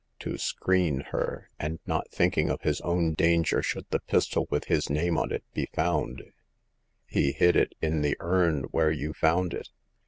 To screen her, and not thinking of his own danger should the pistol with his name on it be found, he hid it in the urn where you found it.